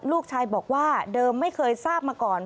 ลูกชายบอกว่าเดิมไม่เคยทราบมาก่อน